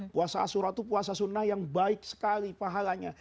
puasa asura itu puasa sunnah yang baik sekali pahalanya